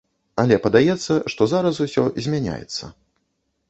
Але падаецца, што зараз усё змяняецца.